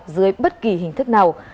dưới bất kỳ hình thức nào